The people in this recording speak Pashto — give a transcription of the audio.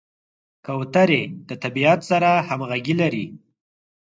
کوترې د طبیعت سره همغږي لري.